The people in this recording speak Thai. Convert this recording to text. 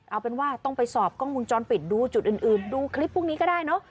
เอาเป็นว่าต้องไปสอบกล้องมุมจรปิดดูจุดอื่นดูคลิปพวกนี้ก็ได้เนอะ